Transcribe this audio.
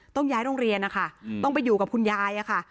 ต้องย้ายโรงเรียนนะคะต้องไปอยู่กับคุณยายค่ะ